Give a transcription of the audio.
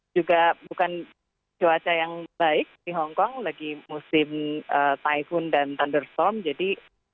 juga bukan cuaca yang baik di hongkong lagi musim taihun dan thunderson jadi